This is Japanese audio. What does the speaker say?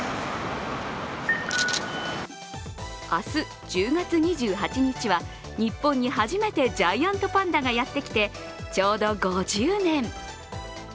明日、１０月２８日は日本に初めてジャイアントパンダがやってきてちょうと５０年。